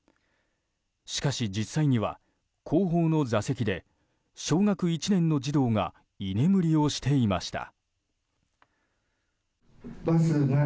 しかし実際には後方の座席で小学１年の児童が居眠りをしていました。